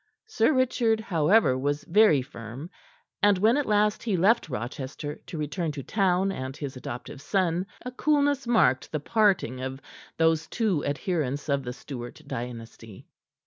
Sir Richard, however, was very firm. And when at last he left Rochester to return to town and his adoptive son, a coolness marked the parting of those two adherents of the Stuart dynasty.